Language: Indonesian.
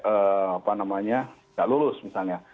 apa namanya tidak lulus misalnya